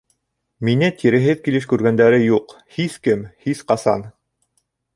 Мине тиреһеҙ килеш күргәндәре юҡ! һис кем, һис ҡасан!